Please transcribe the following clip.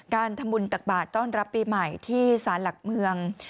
การทำบุญตักบาทต้อนรับปีใหม่ที่สารหลักเมือง